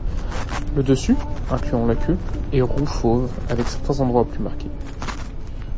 Le dessus, incluant la queue, est roux-fauve avec certains endroits plus marqués.